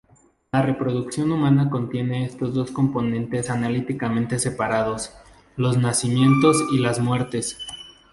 La reproducción humana contiene estos dos componentes analíticamente separados, los nacimientos y las muertes.